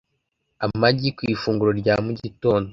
Amagi ku ifunguro rya mu gitondo